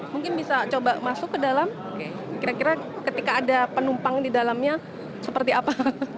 mungkin bisa coba masuk ke dalam kira kira ketika ada penumpang di dalamnya seperti apa